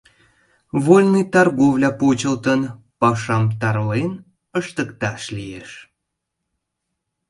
— Вольный торговля почылтын, пашам тарлен ыштыкташ лиеш.